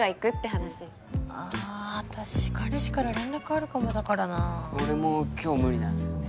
話あ私彼氏から連絡あるかもだからな俺も今日無理なんすよね